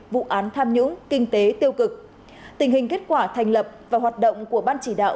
vụ án tham nhũng kinh tế tiêu cực tình hình kết quả thành lập và hoạt động của ban chỉ đạo